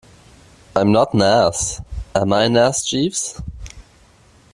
I'm not an ass. Am I an ass, Jeeves?